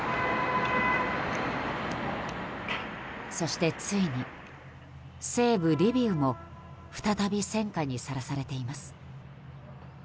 そして、ついに西部リビウも再び戦火にさらされています。